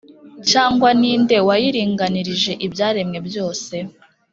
cyangwa ni nde wayiringanirije ibyaremwe byose’